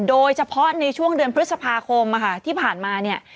โดยเฉพาะในช่วงเดือนพฤษภาคมที่ผ่านมาเนี่ย